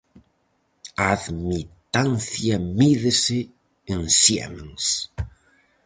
A admitancia mídese en siemens.